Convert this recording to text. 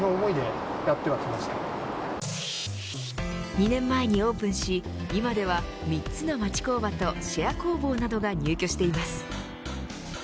２年前にオープンし、今では３つの町工場とシェア工房などが入居しています。